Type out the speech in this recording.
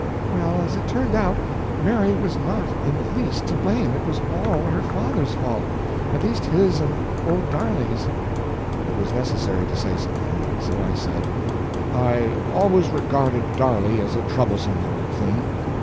"Well, as it turned out, Mary was not in the least to blame it was all her father's fault at least his and old Darley's." It was necessary to say something so I said: "I always regarded Darley as a troublesome old thing."